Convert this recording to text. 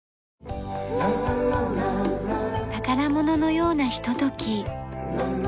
宝物のようなひととき。